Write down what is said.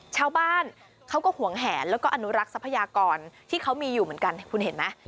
ชาวบ้านเขาก็ห่วงแหนแล้วก็อนุรักษ์ทรัพยากรที่เขามีอยู่เหมือนกันคุณเห็นไหม